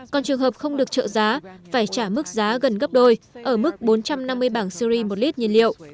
còn trường hợp không được trợ giá phải trả mức giá gần gấp đôi ở mức bốn trăm năm mươi bảng siri một lít nhiên liệu